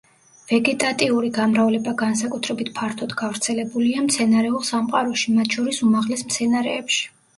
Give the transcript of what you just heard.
ვეგეტატიური გამრავლება განსაკუთრებით ფართოდ გავრცელებულია მცენარეულ სამყაროში, მათ შორის უმაღლეს მცენარეებში.